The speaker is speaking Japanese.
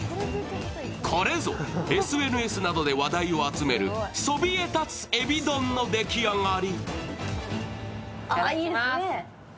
これぞ、ＳＮＳなどで話題を集めるそびえ立つ海老丼の出来上がり。